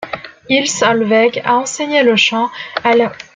Ilse Hollweg a enseigné le chant à l'.